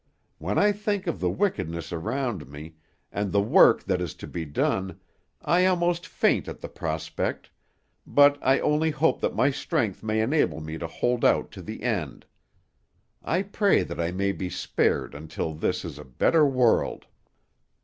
When I think of the wickedness around me, and the work that is to be done, I almost faint at the prospect, but I only hope that my strength may enable me to hold out to the end. I pray that I may be spared until this is a better world."